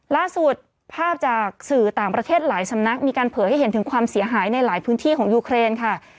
ล่าสุดภาพจากสื่อต่างประเทศหลายสำนักมีการเผยให้เห็นถึงความเสียหายในหลายพื้นที่ของยูเครนค่ะ